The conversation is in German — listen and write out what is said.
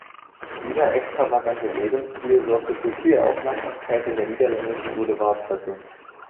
Dieser extravagante Lebensstil sorgte für viel Aufmerksamkeit in der niederländischen Boulevardpresse.